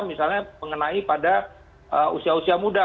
misalnya mengenai pada usia usia muda